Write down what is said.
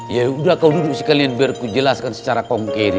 yaudah kau duduk sekalian biar ku jelaskan secara konkret ini